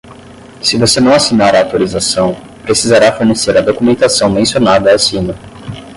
Se você não assinar a autorização, precisará fornecer a documentação mencionada acima.